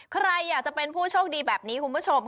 ใครอยากจะเป็นผู้โชคดีแบบนี้คุณผู้ชม